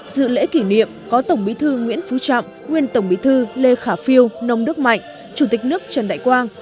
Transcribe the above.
dự lễ kỷ niệm có tổng bí thư nguyễn phú trọng nguyên tổng bí thư lê khả phiêu nông đức mạnh chủ tịch nước trần đại quang